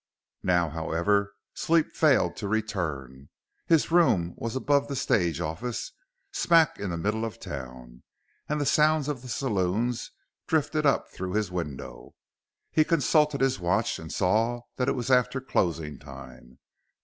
Now, however, sleep failed to return. His room was above the stage office, smack in the middle of town, and the sounds of the saloons drifted up through his window. He consulted his watch and saw that it was after closing time.